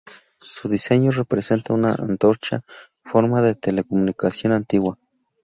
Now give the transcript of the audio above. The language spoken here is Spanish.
Su diseño representa una antorcha, forma de telecomunicación antigua.